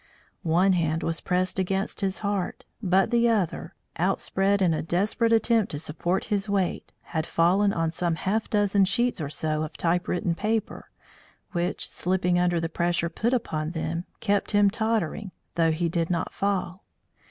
One hand was pressed against his heart, but the other, outspread in a desperate attempt to support his weight, had fallen on some half dozen sheets or so of typewritten paper, which, slipping under the pressure put upon them, kept him tottering, though he did not fall.